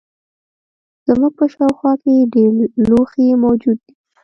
زموږ په شاوخوا کې ډیر لوښي موجود دي.